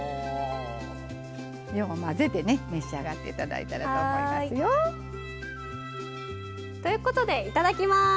よう混ぜて召し上がって頂いたらと思いますよ。ということでいただきます。